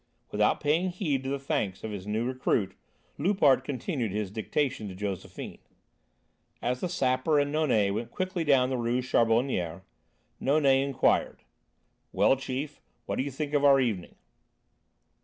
Without paying heed to the thanks of his new recruit, Loupart continued his dictation to Josephine. As the Sapper and Nonet went quickly down the Rue Charbonnière, Nonet inquired: "Well, chief, what do you think of our evening?"